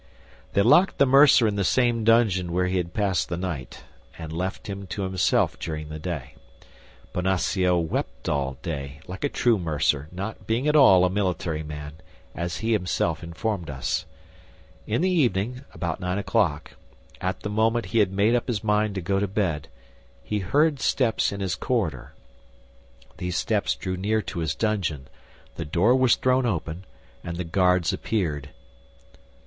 They locked the mercer in the same dungeon where he had passed the night, and left him to himself during the day. Bonacieux wept all day, like a true mercer, not being at all a military man, as he himself informed us. In the evening, about nine o'clock, at the moment he had made up his mind to go to bed, he heard steps in his corridor. These steps drew near to his dungeon, the door was thrown open, and the guards appeared.